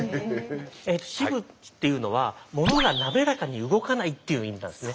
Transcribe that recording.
「渋」っていうのはものがなめらかに動かないっていう意味なんですね。